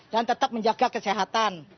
dan tetap menjaga kesehatan